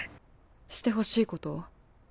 してほしいこと。